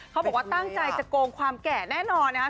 เขาบอกว่าตั้งใจจะโกงความแก่แน่นอนนะครับ